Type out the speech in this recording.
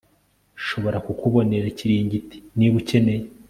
nshobora kukubonera ikiringiti niba ukeneye